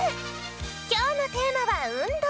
きょうのテーマは「運動」！